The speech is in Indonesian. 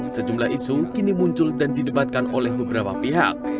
sejumlah isu kini muncul dan didebatkan oleh beberapa pihak